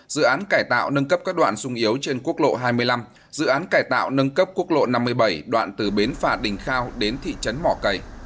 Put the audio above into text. dự án cải tạo nâng cấp các đoạn sung yếu trên quốc lộ hai mươi năm dự án cải tạo nâng cấp quốc lộ năm mươi bảy đoạn từ bến phà đình khao đến thị trấn mỏ cầy